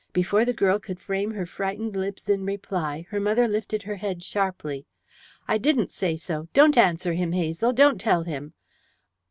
Before the girl could frame her frightened lips in reply, her mother lifted her head sharply. "I didn't say so! Don't answer him, Hazel, don't tell him.